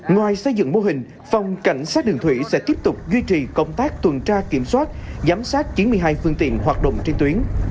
ngoài xây dựng mô hình phòng cảnh sát đường thủy sẽ tiếp tục duy trì công tác tuần tra kiểm soát giám sát chín mươi hai phương tiện hoạt động trên tuyến